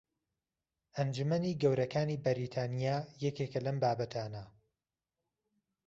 ئەنجومەنی گەورەکانی بەریتانیا یەکێکە لەم بابەتانە